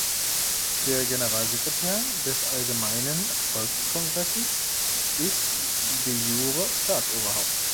Der Generalsekretär des Allgemeinen Volkskongresses ist de jure Staatsoberhaupt.